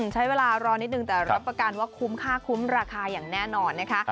ใช้เวลารอนิดนึงแต่รับประกันว่าคุ้มค่าคุ้มราคาอย่างแน่นอนนะคะ